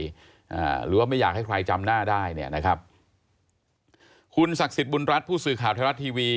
อ่าหรือว่าไม่อยากให้ใครจำหน้าได้เนี่ยนะครับคุณศักดิ์สิทธิ์บุญรัฐผู้สื่อข่าวไทยรัฐทีวี